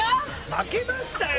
負けましたよ！